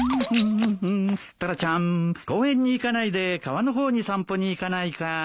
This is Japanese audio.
タラちゃん公園に行かないで川の方に散歩に行かないかい？